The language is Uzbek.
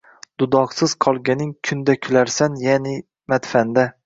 Dudoqsiz qolganing kunda kularsan yaʻni madfanda